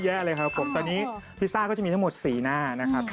เยอะเลยครับผมตอนนี้พิซซ่าก็จะมีทั้งหมด๔หน้านะครับ